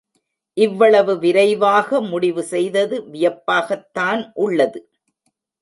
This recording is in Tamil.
இவ்வளவு விரைவாக முடிவு செய்தது வியப்பாகத்தான் உள்ளது.